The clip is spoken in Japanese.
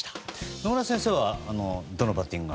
野村先生はどのバッティングが？